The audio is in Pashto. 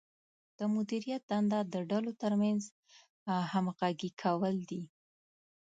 د مدیریت دنده د ډلو ترمنځ همغږي کول دي.